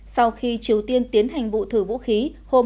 sau khi triều tiên tiến hành vụ thử vũ khí hôm hai mươi tám tháng một mươi một